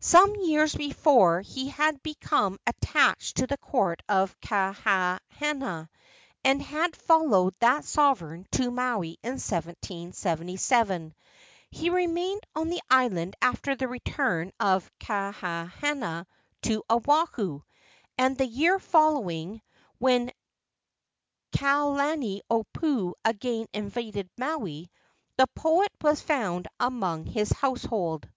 Some years before he had become attached to the court of Kahahana, and had followed that sovereign to Maui in 1777. He remained on the island after the return of Kahahana to Oahu, and the year following, when Kalaniopuu again invaded Maui, the poet was found among his household.